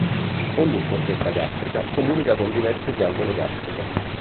Ogni fossetta gastrica comunica con diverse ghiandole gastriche.